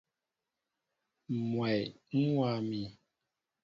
Mwɛy ń wa mi.